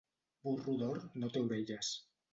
Burro d'or no té orelles.